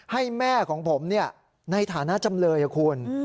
ให้แม่ของผมในฐานะจำเลยคุณ